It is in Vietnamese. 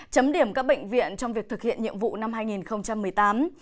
chấm điểm các bệnh viện trong việc thực hiện nhiệm vụ năm hai nghìn một mươi tám